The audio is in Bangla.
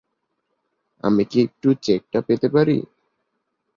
আমি কি একটু চেকটা পেতে পারি?